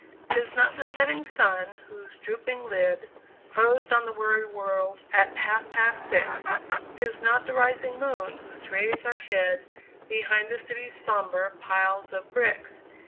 'Tis not the setting sun, whose drooping lid Closed on the weary world at half past six; 'Tis not the rising moon, whose rays are hid Behind the city's sombre piles of bricks.